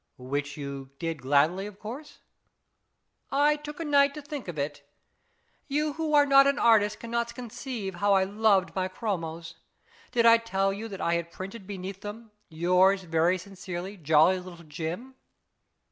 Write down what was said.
" Which you did gladly, of course ?"" I took a night to think of it. You who are not an artist cannot conceive how I loved my chromos. Did I tell you that I had printed beneath them, 4 Yours very sincerely, Jolly Little Jim